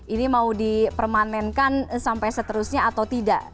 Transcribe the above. ini mau dipermanenkan sampai seterusnya atau tidak